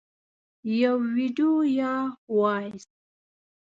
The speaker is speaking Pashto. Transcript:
- یو ویډیو یا Voice 🎧